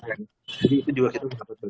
jadi itu juga kita harus berusaha